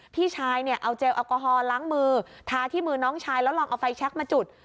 พี่ชายเนี่ยเอาเจลแอลกอฮอลล้างมือทาที่มือน้องชายแล้วลองเอาไฟแชคมาจุด